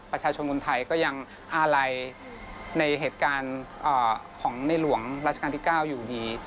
คนไทยก็ยังอาลัยในเหตุการณ์ของในหลวงราชการที่๙อยู่ดี